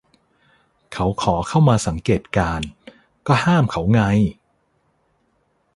เขาขอเข้ามาสังเกตการณ์ ก็ห้ามเขาไง